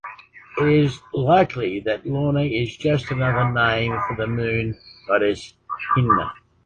It is likely that Lona is just another name for the Moon goddess Hina.